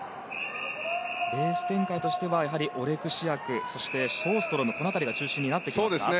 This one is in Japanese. レース展開としてはオレクシアクそして、ショーストロムが中心になってきますか。